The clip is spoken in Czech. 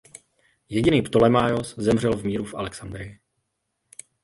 Jediný Ptolemaios zemřel v míru v Alexandrii.